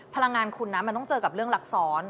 พลังงานคุณนะมันต้องเจอกับเรื่องลักษร